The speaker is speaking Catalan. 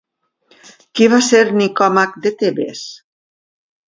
Qui va ser Nicòmac de Tebes?